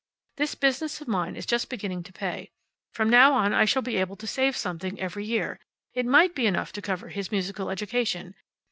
This business of mine is just beginning to pay. From now on I shall be able to save something every year. It might be enough to cover his musical education.